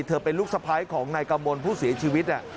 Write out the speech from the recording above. เธอเป็นลูกสไพรของในกำบลผู้เสียชีวิต